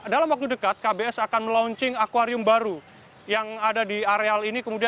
dalam waktu dekat kbs akan melaunching akwarium baru yang ada di areal ini